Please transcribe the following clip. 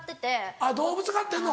あっ動物飼ってんの。